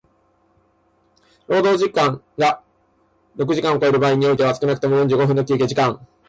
労働時間が六時間を超える場合においては少くとも四十五分の休憩時間